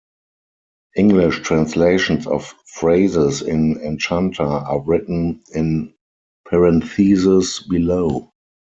English translations of phrases in Enchanta are written in parentheses below.